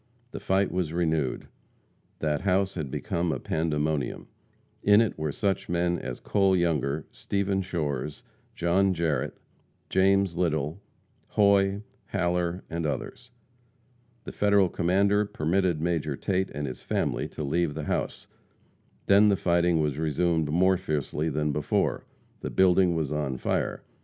The fight was renewed. That house had become a pandemonium. In it were such men as Cole Younger, Stephen Shores, John Jarrette, James Little, Hoy, Haller, and others. The Federal commander permitted Major Tate and his family to leave the house. Then the fighting was resumed more fiercely than before. The building was on fire.